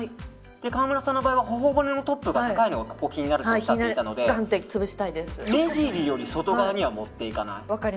川村さんの場合は頬骨のトップが高いのが気になるとおっしゃっていたので目尻より外側には持っていかない。